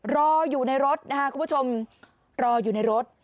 รออยู่ในรถนะคะคุณผู้ชมรออยู่ในรถ